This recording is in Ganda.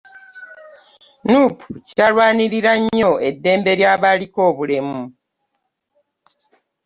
NUDIPU kyalwanirira nnyo eddembe lyabaliko obulemu.